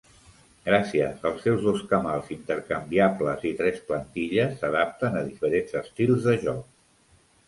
Gràcies als seus dos camals intercanviables i tres plantilles s'adapten a diferents estils de joc.